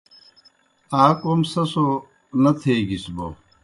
آ کوْم سہ سو نہ تھیگِس بوْ